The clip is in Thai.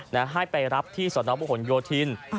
แล้วให้ไปรับที่สนบโยธิน